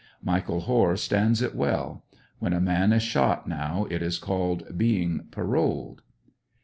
Michael Hoare stands it well. When a man is shot now it is called being ''parolled."